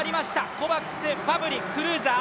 コバクス、ファブリ、クルーザー。